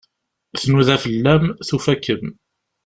Tnuda fell-am, tufa-kem.